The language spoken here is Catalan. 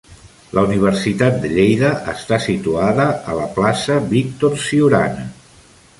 La Universitat de Lleida està situada a la Plaça Víctor Siurana.